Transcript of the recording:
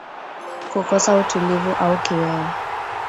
Kukosa utulivu au kiwewe